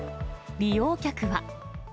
利用客は。